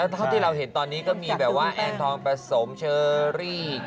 แล้วตอนที่เราเห็นตอนนี้ก็มีแอนทองผสมใช่